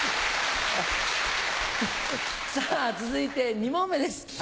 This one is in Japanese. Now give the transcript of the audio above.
さぁ続いて２問目です。